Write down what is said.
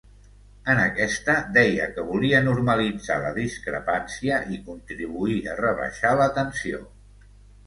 En aquesta, deia que volia normalitzar la discrepància i contribuir a rebaixar la tensió.